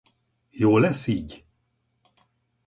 Jó lesz így?